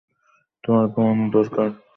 তোমার ঘুমানো দরকার।